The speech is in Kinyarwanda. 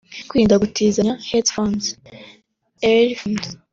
Kwirinda gutizanya headphones/earphones